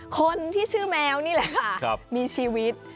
คนที่ชื่อแมวนี่แหละค่ะมีชีวิต